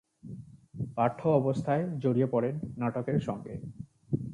পাঠ্য অবস্থায় জড়িয়ে পড়েন নাটকের সঙ্গে।